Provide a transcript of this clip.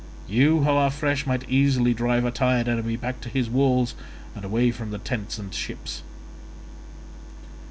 You, who are fresh, might easily drive a tired enemy back to his walls and away from the tents and ships."